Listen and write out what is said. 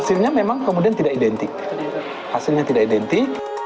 hasilnya memang kemudian tidak identik hasilnya tidak identik